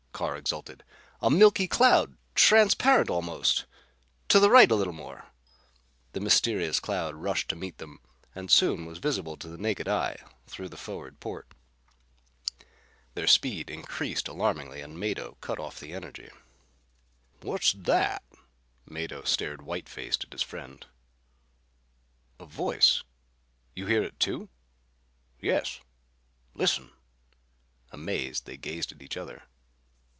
Carr exulted. "A milky cloud. Transparent almost. To the right a little more!" The mysterious cloud rushed to meet them and soon was visible to the naked eye through the forward port. Their speed increased alarmingly and Mado cut off the energy. "What's that?" Mado stared white faced at his friend. "A voice! You hear it too?" "Yes. Listen!" Amazed, they gazed at each other.